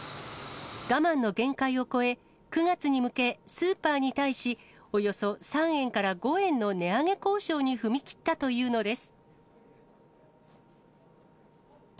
我慢の限界を超え、９月に向け、スーパーに対し、およそ３円から５円の値上げ交渉に踏み切ったというのです。